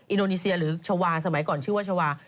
อินโดนีเซียหรือชาวาสมัยก่อนชื่อว่าชาวา